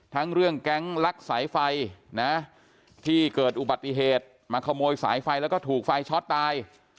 ทั้งเรื่องแก๊งลักสายไฟนะที่เกิดอุบัติเหตุมาขโมยสายไฟแล้วก็ถูกไฟช็อตตาย